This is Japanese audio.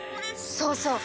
そうそう！